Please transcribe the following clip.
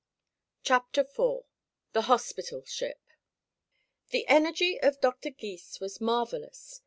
CHAPTER IV THE HOSPITAL SHIP The energy of Doctor Gys was marvelous.